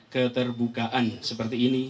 keterbukaan seperti ini